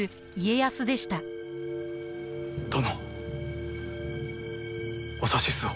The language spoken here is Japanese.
殿お指図を。